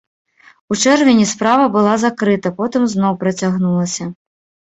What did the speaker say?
У чэрвені справа была закрыта, потым зноў працягнулася.